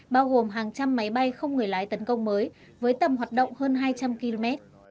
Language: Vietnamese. bao gồm hàng trăm máy bay không người lái tấn công mới với tầm hoạt động hơn hai trăm linh km